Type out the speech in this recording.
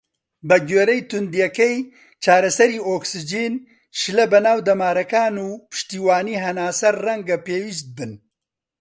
بەگوێرەی تووندیەکەی، چارەسەری ئۆکسجین، شلە بە ناو دەمارەکان، و پشتیوانی هەناسە ڕەنگە پێویست بن.